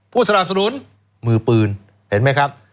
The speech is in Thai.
สนับสนุนมือปืนเห็นไหมครับ